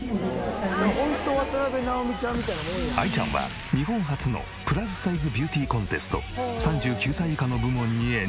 あいちゃんは日本初のプラスサイズビューティーコンテスト３９歳以下の部門にエントリー。